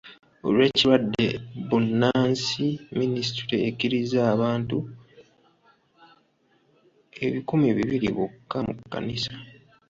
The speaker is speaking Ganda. Olw'ekirwadde bbunansi, minisitule ekkiriza abantu ebikumi bibiri bokka mu kkanisa.